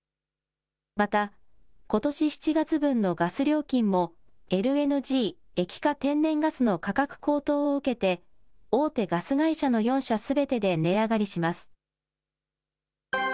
また、ことし７月分のガス料金も、ＬＮＧ・液化天然ガスの価格高騰を受けて、大手ガス会社の４社すべてで値上がりします。